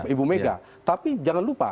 ibu mega tapi jangan lupa